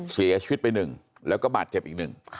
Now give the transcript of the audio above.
เสียชีวิตไปหนึ่งแล้วก็บาดเจ็บอีกหนึ่ง